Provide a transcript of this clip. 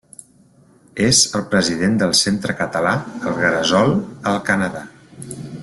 És el president del centre català El Gresol al Canadà.